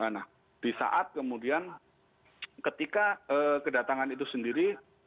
nah di saat kemudian ketika kedatangan itu sendiri